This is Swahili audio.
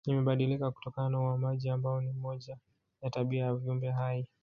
Imebadilika kutokana na uhamaji ambao ni moja ya tabia ya viumbe hai